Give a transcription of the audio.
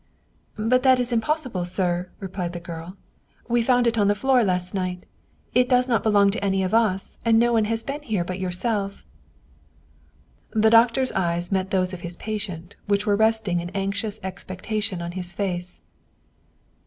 " But that is impossible, sir," replied the girl. " We found it on the floor last night. It does not belong to any of us, and no one has been here but yourself." The doctor's eyes met those of his patient, which were resting in anxious expectation on his face.